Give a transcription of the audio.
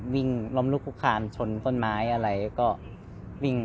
เวลาที่สุดตอนที่สุด